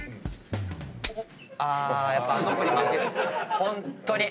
ホントに！